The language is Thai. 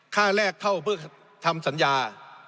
ค่าแรกเข้าเพื่อทำสัญญา